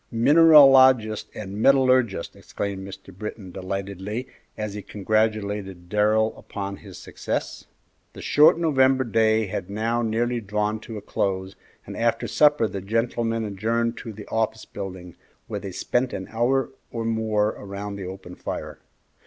"Mineralogist and metallurgist!" exclaimed Mr. Britton delightedly, as he congratulated Darrell upon his success. The short November day had now nearly drawn to a close, and after supper the gentlemen adjourned to the office building, where they spent an hour or more around the open fire.